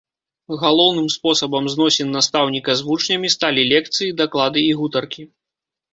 Галоўным спосабам зносін настаўніка з вучнямі сталі лекцыі, даклады і гутаркі.